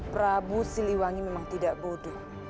prabu siliwangi memang tidak bodoh